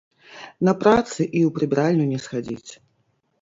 На працы і ў прыбіральню не схадзіць!